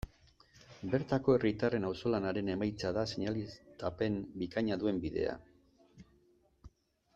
Bertako herritarren auzolanaren emaitza da seinaleztapen bikaina duen bidea.